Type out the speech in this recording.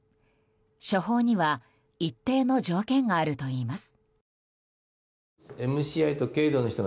処方には一定の条件があるといいます。